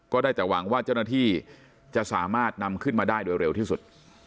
ได้แต่หวังว่าเจ้าหน้าที่จะสามารถนำขึ้นมาได้โดยเร็วที่สุด